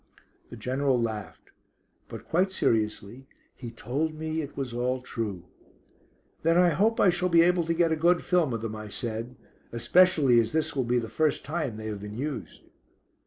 The General laughed. But quite seriously he told me it was all true. "Then I hope I shall be able to get a good film of them," I said, "especially as this will be the first time they have been used."